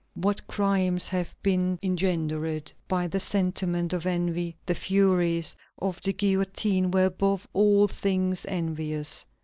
What crimes have been engendered by the sentiment of envy! The furies of the guillotine were above all things envious.